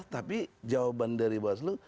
tapi jawaban dari bawaslu